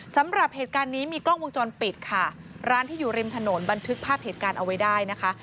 สำหรับเหตุการณ์นี้มีกล้องวงจรปิดค่ะร้านที่อยู่ริมถนนบันทึกภาพเหตุการณ์เอาไว้ได้นะคะ